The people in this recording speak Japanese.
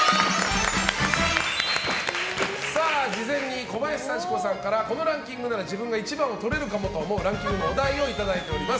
事前に小林幸子さんからこのランキングなら自分が１番をとれるかもと思うランキングのお題をいただいております。